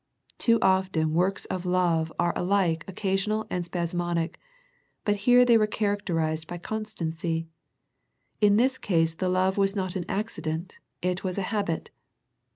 Too often works of love are alike occa sional and spasmodic, but here they were char acterized by constancy. In this case the love was not an accident, it was a habit.